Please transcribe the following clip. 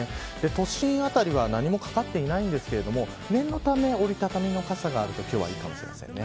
都心辺りは、何もかかっていないんですけれども念のため折り畳みの傘があると今日はいいかもしれません。